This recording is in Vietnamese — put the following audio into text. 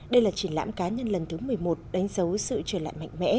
đây là triển lãm cá nhân lần thứ một mươi một đánh dấu sự trở lại mạnh mẽ